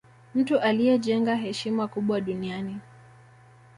mtu aliye jenga heshima kubwa duniani